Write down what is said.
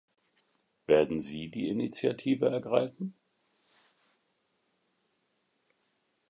Werden Sie die Initiative ergreifen?